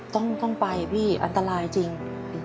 ต้องไปพี่อันตรายจริง